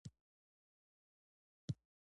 زما له څرمنې به نخښې ورکې شې